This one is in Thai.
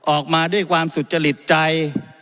ออกมาด้วยความสุจริตใจ